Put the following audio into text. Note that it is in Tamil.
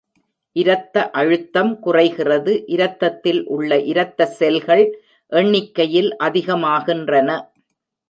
இரத்த அழுத்தம் குறைகிறது இரத்தத்தில் உள்ள இரத்த செல்கள் எண்ணிக்கையில் அதிகமாகின்றன.